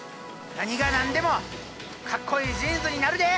なにがなんでもかっこいいジーンズになるで！